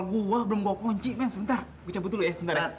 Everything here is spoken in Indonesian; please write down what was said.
aku akan menjaga kamu tuhkat